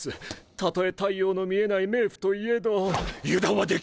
たとえ太陽の見えない冥府といえど油断はできません！